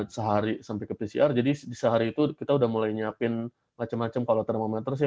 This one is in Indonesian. sehari sampai ke pcr jadi sehari itu kita udah mulai nyiapin macam macam kalau termometer sih